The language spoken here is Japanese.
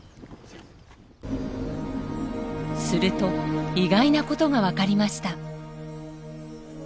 すると意外なことが分かりました。